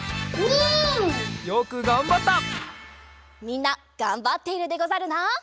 みんながんばっているでござるな？